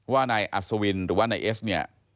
ว่านายอัศวินหรือว่านายเอสเนี่ย